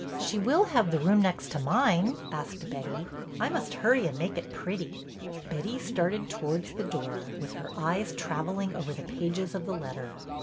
She will have the room next to mine?" asked Betty. ''I must hurry and make it pretty." Betty started towards the door, with her eyes traveling over the pages of the letter.